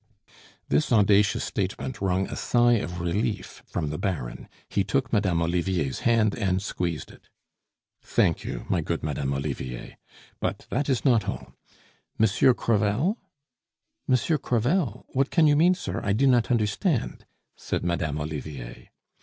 This audacious statement wrung a sigh of relief from the Baron; he took Madame Olivier's hand and squeezed it. "Thank you, my good Madame Olivier. But that is not all. Monsieur Crevel?" "Monsieur Crevel? What can you mean, sir? I do not understand," said Madame Olivier.